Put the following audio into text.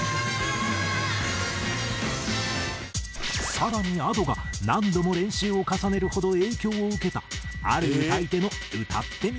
更にＡｄｏが何度も練習を重ねるほど影響を受けたある歌い手の「歌ってみた」